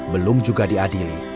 belum juga diadili